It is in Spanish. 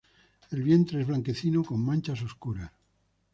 El vientre es blanquecino con manchas oscuras.